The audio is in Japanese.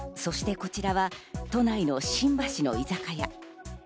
そしてこちらは都内の新橋の居酒屋。